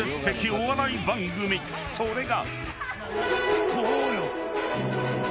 ［それが］